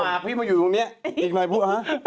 พี่มาอยู่ตรงนี้อีกหน่อยพวกฮะ